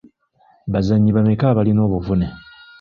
Bazannyi bameka abalina obuvune?